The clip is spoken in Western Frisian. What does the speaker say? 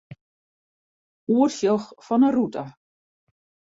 Oersjoch fan 'e rûte.